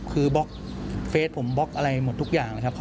คือบล็อกเฟสผมบล็อกอะไรหมดทุกอย่างเลยครับ